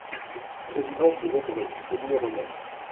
Résidence de l'Aubrée au numéro neuf